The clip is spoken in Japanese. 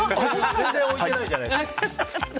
全然置いてないじゃないですか。